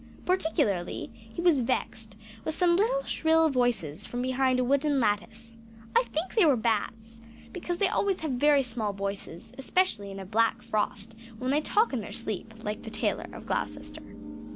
Particularly he was vexed with some little shrill voices from behind a wooden lattice. I think that they were bats, because they always have very small voices especially in a black frost, when they talk in their sleep, like the Tailor of Gloucester.